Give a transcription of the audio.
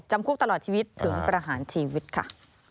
คุกตลอดชีวิตถึงประหารชีวิตค่ะ